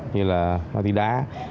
như là ma túy đá